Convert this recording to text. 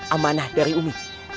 amanah dari umi